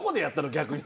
逆に。